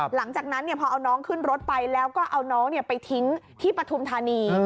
หลังจากนั้นพอเอาน้องขึ้นรถไปแล้วก็เอาน้องไปทิ้งที่ปฐุมธานี